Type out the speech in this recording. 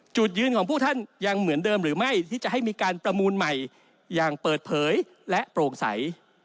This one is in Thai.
จุดยืนของพวกท่านยังเหมือนเดิมหรือไม่ที่จะให้มีการประมูลใหม่อย่างเปิดเผยและโปร่งใส